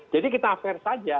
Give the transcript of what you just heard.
jadi kita fair saja